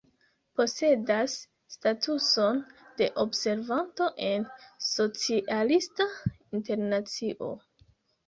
Posedas statuson de observanto en Socialista Internacio.